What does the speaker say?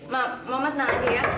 ma mama tenang aja ya